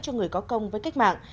cho người có công với cách mạng